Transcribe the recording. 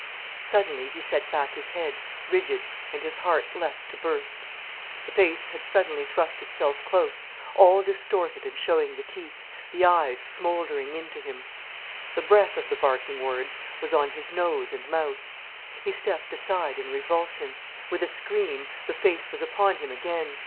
Suddenly he set back his head, rigid, and his heart leapt to burst. The face had suddenly thrust itself close, all distorted and showing the teeth, the eyes smouldering into him. The breath of the barking words was on his nose and mouth. He stepped aside in revulsion. With a scream the face was upon him again.